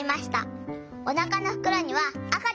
おなかのふくろにはあかちゃんがいます。